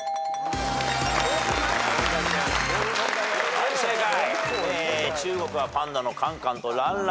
はい正解。